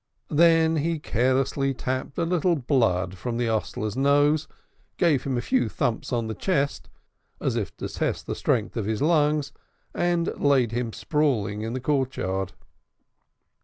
Then he carelessly tapped a little blood from the hostler's nose, gave him a few thumps on the chest as if to test the strength of his lungs, and laid him sprawling in the courtyard.